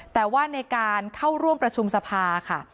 แต่ว่าในการเข้าร่วมประชุมสภาค่ะ